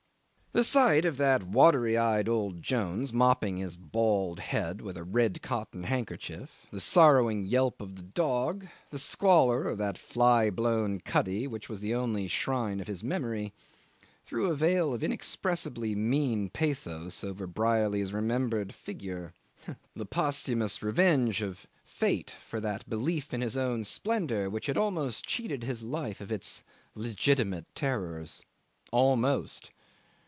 'The sight of that watery eyed old Jones mopping his bald head with a red cotton handkerchief, the sorrowing yelp of the dog, the squalor of that fly blown cuddy which was the only shrine of his memory, threw a veil of inexpressibly mean pathos over Brierly's remembered figure, the posthumous revenge of fate for that belief in his own splendour which had almost cheated his life of its legitimate terrors. Almost!